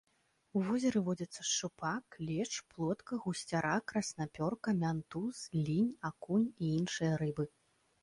У возеры водзяцца шчупак, лешч, плотка, гусцяра, краснапёрка, мянтуз, лінь, акунь і іншыя рыбы.